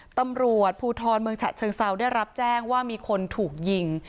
ตำรวจภูทรเมืองฉะเชิงเซาได้รับแจ้งว่ามีคนถูกยิง